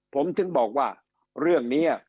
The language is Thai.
ผมถึงบอกว่าเรื่องนี้